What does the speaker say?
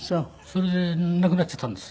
それで亡くなっちゃったんです。